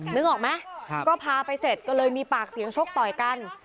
นึกออกไหมก็พาไปเสร็จก็เลยมีปากเสียงชกต่อยกัน